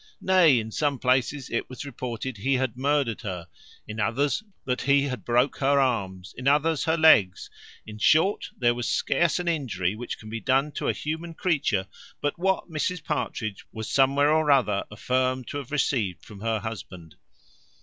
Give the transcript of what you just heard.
Nay, in some places it was reported he had murdered her; in others, that he had broke her arms; in others, her legs: in short, there was scarce an injury which can be done to a human creature, but what Mrs Partridge was somewhere or other affirmed to have received from her husband.